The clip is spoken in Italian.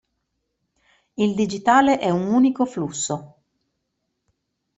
Il digitale è un unico flusso.